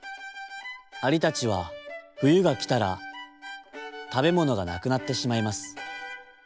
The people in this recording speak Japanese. アリたちは「ふゆがきたらたべものがなくなってしまいます。